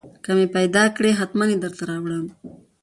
که مې پېدا کړې حتمن يې درته راوړم.